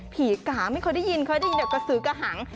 ภีรกะไม่เคยได้ยินมีข้อโทษที่สุดกระห่าง